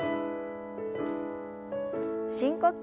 深呼吸。